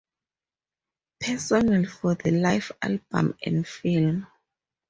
Personnel for the live album and film.